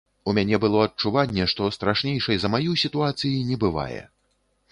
У мяне было адчуванне, што страшнейшай за маю сітуацыі не бывае.